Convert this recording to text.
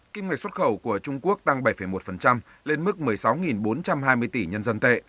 kim ngạch xuất khẩu của trung quốc tăng bảy một lên mức một mươi sáu bốn trăm hai mươi tỷ nhân dân tệ